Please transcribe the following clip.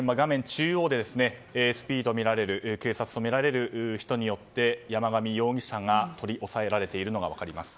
中央でＳＰとみられる警察とみられる人によって山上容疑者が取り押さえられているのが分かります。